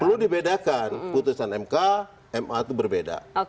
perlu dibedakan putusan mk ma itu berbeda